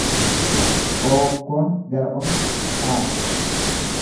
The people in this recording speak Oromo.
Ookkoon gara ofitti haati.